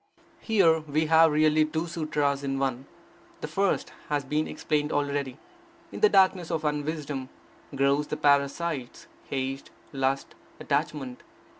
Here we have really two Sutras in one. The first has been explained already: in the darkness of unwisdom grow the parasites, hate, lust, attachment.